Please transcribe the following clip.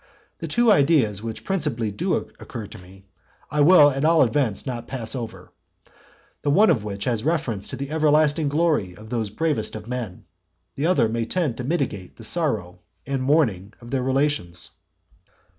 The two ideas which principally do occur to me, I will at all events not pass over; the one of which has reference to the everlasting glory of those bravest of men; the other may tend to mitigate the sorrow and mourning of their relations.